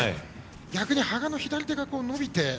逆に羽賀の左手が伸びて。